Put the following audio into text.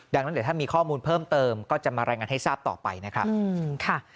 ดังนั้นเดี๋ยวถ้ามีข้อมูลเพิ่มเติมก็จะมารายงานให้ทราบต่อไปนะครับ